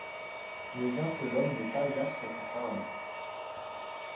Mais un seul homme n'est pas apte à tout peindre.